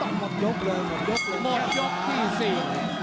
หมดยกเลยหมดยกที่๔